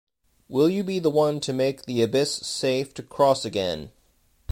Will you be the one to make the Abyss safe to cross again.